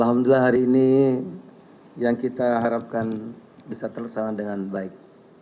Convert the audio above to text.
alhamdulillah hari ini yang kita harapkan bisa terlaksana dengan baik